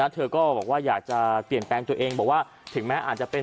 เธอก็บอกว่าอยากจะเปลี่ยนแปลงตัวเองบอกว่าถึงแม้อาจจะเป็น